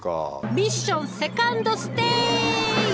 ミッションセカンドステージ！